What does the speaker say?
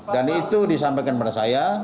dan itu disampaikan pada saya